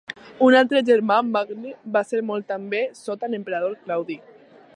Un altre germà, Magne, va ser mort també sota l'emperador Claudi.